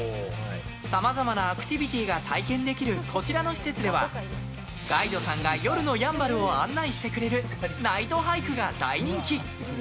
さまざまなアクティビティーが体験できるこちらの施設ではガイドさんが夜のやんばるを案内してくれるナイトハイクが大人気。